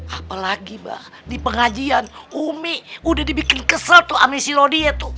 apa lagi pak di pengajian umi udah dibikin kesel tuh ambil si lodi itu